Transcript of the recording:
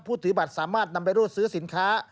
ถือบัตรสามารถนำไปรวดซื้อสินค้า